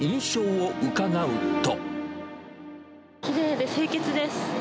きれいで清潔です。